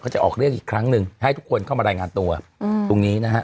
จะออกเรียกอีกครั้งหนึ่งให้ทุกคนเข้ามารายงานตัวตรงนี้นะฮะ